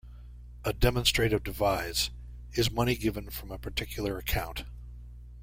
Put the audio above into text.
A demonstrative devise, is money given from a particular account.